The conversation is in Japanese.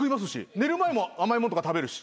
寝る前も甘いもんとか食べるし。